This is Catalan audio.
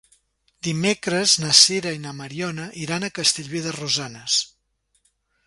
Dimecres na Sira i na Mariona iran a Castellví de Rosanes.